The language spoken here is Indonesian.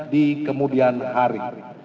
di kemudian hari